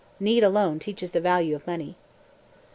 Need alone teaches the value of money."